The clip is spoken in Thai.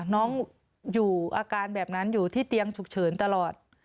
น้องอยู่อาการแบบนั้นอยู่ที่เตียงฉุกเฉินตลอด